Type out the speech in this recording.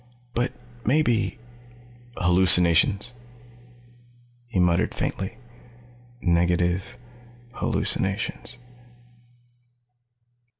But maybe "Hallucinations," he muttered faintly. "Negative hallucinations."